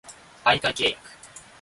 媒介契約